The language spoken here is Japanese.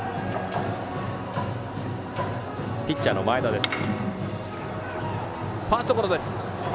ピッチャーの前田です。